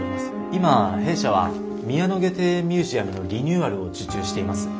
今弊社は宮野花庭園ミュージアムのリニューアルを受注しています。